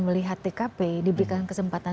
melihat tkp diberikan kesempatan